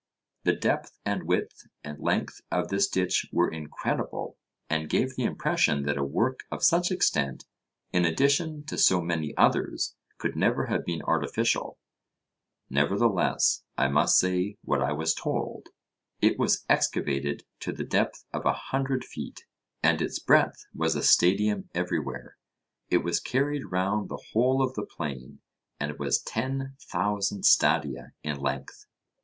The depth, and width, and length of this ditch were incredible, and gave the impression that a work of such extent, in addition to so many others, could never have been artificial. Nevertheless I must say what I was told. It was excavated to the depth of a hundred feet, and its breadth was a stadium everywhere; it was carried round the whole of the plain, and was ten thousand stadia in length.